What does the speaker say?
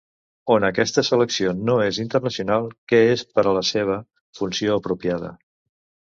On aquesta selecció no és intencional, què es per a la seva "funció apropiada".